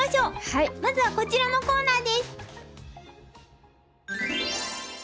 まずはこちらのコーナーです。